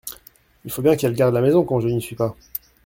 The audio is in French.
Il faut bien qu'elle garde la maison quand je n'y suis pas.